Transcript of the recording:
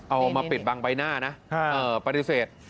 เอามาปิดบังใบหน้านะปฏิเสธ